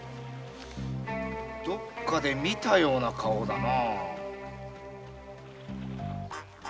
どこかで見たような顔だなぁ。